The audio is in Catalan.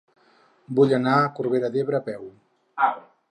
Vull anar a Corbera d'Ebre a peu.